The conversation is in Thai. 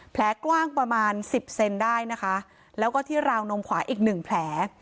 แผลกว้างประมาณสิบเซนได้นะคะแล้วก็ที่ราวนมขวาอีกหนึ่งแผล